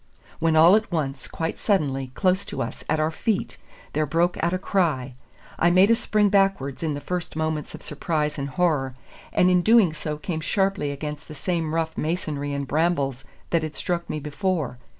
When all at once, quite suddenly, close to us, at our feet, there broke out a cry. I made a spring backwards in the first moment of surprise and horror, and in doing so came sharply against the same rough masonry and brambles that had struck me before.